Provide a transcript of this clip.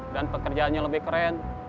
dan pekerjaannya lebih keren